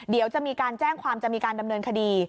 เดี๋ยวจะมีการแจ้งความจะมีการดำเนินคดี